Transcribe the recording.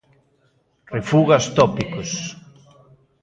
Refuga os tópicos.